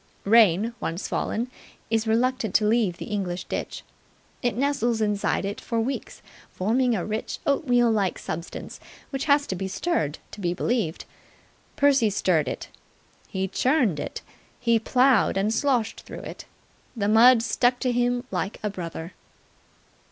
Rain, once fallen, is reluctant to leave the English ditch. It nestles inside it for weeks, forming a rich, oatmeal like substance which has to be stirred to be believed. Percy stirred it. He churned it. He ploughed and sloshed through it. The mud stuck to him like a brother.